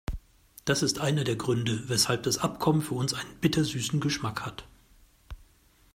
Das ist einer der Gründe, weshalb das Abkommen für uns einen bittersüßen Geschmack hat.